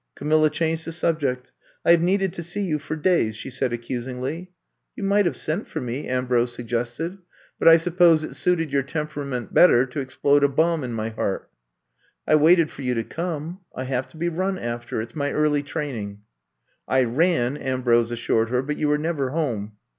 Camilla changed the subject. I have needed to see you for days," she said ac cusingly. You might have sent for me, '' Ambrose I'VE COME TO STAY 99 suggested. But I suppose it suited your temperament better to explode a bomb in my heart. '' I waited for you to come. I have to be run after. It 's my early training.'* I ran," Ambrose assured her. But you were never home.